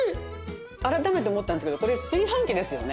改めて思ったんですけどこれ炊飯器ですよね？